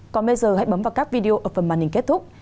còn bây giờ hãy bấm vào các video ở phần màn hình kết thúc